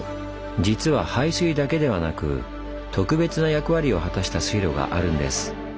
実は排水だけではなく特別な役割を果たした水路があるんです。